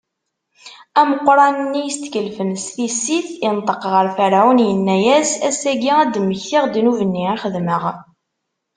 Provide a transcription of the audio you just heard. Ameqran-nni yestkellfen s tissit inṭeq ɣer Ferɛun, inna-as: Ass-agi, ad d-mmektiɣ ddnub-nni i xedmeɣ.